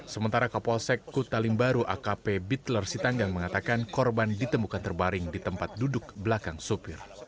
sementara kapolsek kutalimbaru akp bitler sitanggang mengatakan korban ditemukan terbaring di tempat duduk belakang supir